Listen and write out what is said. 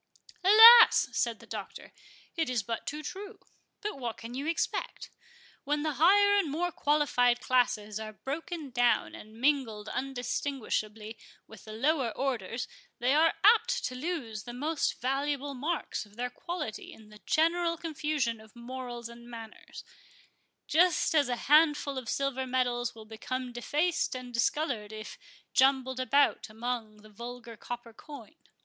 "Alas!" said the Doctor, "it is but too true; but what can you expect? When the higher and more qualified classes are broken down and mingled undistinguishably with the lower orders, they are apt to lose the most valuable marks of their quality in the general confusion of morals and manners—just as a handful of silver medals will become defaced and discoloured if jumbled about among the vulgar copper coin.